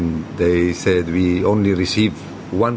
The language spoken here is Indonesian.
dan kedua dua bagian lainnya disipin